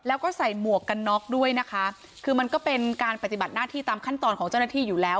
แล้วก็ใส่หมวกกันน็อกด้วยนะคะคือมันก็เป็นการปฏิบัติหน้าที่ตามขั้นตอนของเจ้าหน้าที่อยู่แล้ว